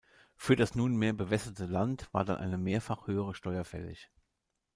Für das nunmehr bewässerte Land war dann eine mehrfach höhere Steuer fällig.